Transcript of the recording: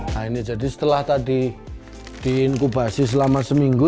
nah ini jadi setelah tadi diinkubasi selama seminggu